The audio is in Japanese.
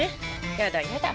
やだやだ。